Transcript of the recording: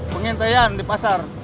pengintian di pasar